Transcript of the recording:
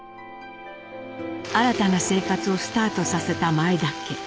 新たな生活をスタートさせた前田家。